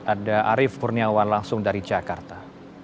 ada arief kurniawan langsung dari jakarta